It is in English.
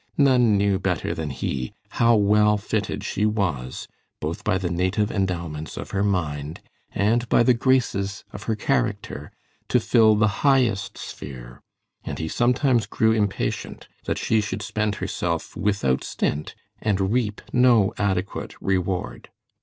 None knew better than he how well fitted she was, both by the native endowments of her mind and by the graces of her character, to fill the highest sphere, and he sometimes grew impatient that she should spend herself without stint and reap no adequate reward.